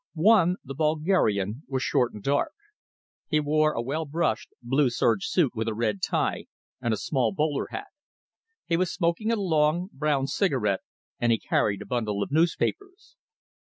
One, the Bulgarian, was short and dark. He wore a well brushed blue serge suit with a red tie, and a small bowler hat. He was smoking a long, brown cigarette and he carried a bundle of newspapers.